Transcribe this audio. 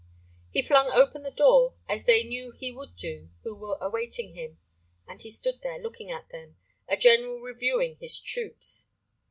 He flung open the door, as they knew he would do who were awaiting him, and he stood there looking at them, a general reviewing his troops.